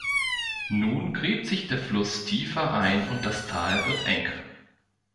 Nun gräbt sich der Fluss tiefer ein und das Tal wird eng.